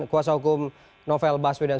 kuasa hukum novel baswedan